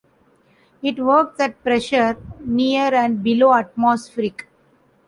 It works at pressure near and below atmospheric.